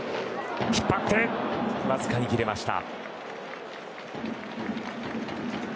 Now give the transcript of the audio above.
引っ張ってわずかに切れました。